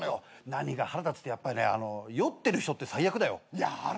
何が腹立つって酔ってる人って最悪だよ。